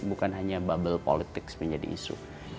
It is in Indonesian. bukan hanya bubble politics menjadi isu